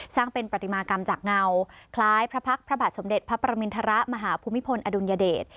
สร้างเป็นปฏิมากรรมจากเงาคล้ายพระพักษ์พระบาทสมเด็จพระปรมินทรมาหาภูมิพลอดุลยเดช